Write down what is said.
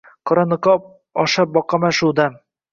Qora niqob osha boqaman shu dam.